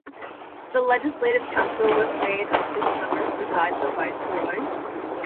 The Legislative Council was made of six members besides the Viceroy.